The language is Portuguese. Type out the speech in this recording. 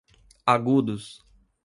Agudos